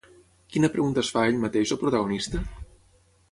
Quina pregunta es fa a ell mateix el protagonista?